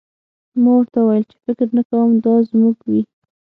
ما ورته وویل چې فکر نه کوم دا زموږ وي